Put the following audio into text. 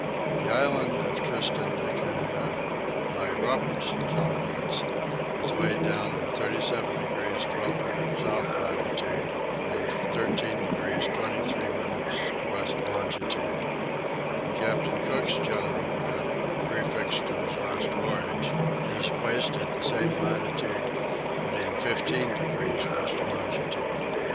The island of Tristan da Cunha, by Robertson's Elements, is laid down in 37 degrees 12 minutes south latitude and 13 degrees 23 minutes west longitude. In Captain Cook's general map, prefixed to his last voyage, it is placed in the same latitude but in 15 degrees west longitude.